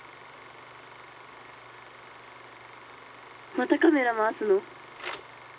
「またカメラ回すの？」。